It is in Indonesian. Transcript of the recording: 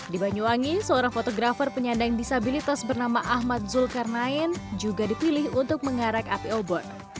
di banyuwangi seorang fotografer penyandang disabilitas bernama ahmad zulkarnain juga dipilih untuk mengarak api obor